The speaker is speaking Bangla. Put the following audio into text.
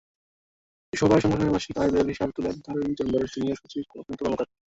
সভায় সংগঠনের বার্ষিক আয়-ব্যয়ের হিসাব তুলে ধরেন চেম্বারের সিনিয়র সচিব প্রশান্ত কর্মকার।